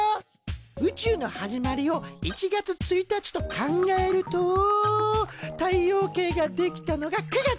宇宙の始まりを１月１日と考えると太陽系が出来たのが９月。